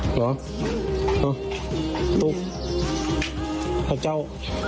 เหรอลูกพระเจ้า